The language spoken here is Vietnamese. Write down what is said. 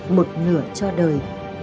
một nửa cho đời